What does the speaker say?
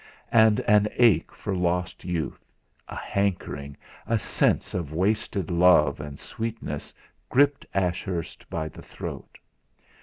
And an ache for lost youth, a hankering, a sense of wasted love and sweetness, gripped Ashurst by the throat.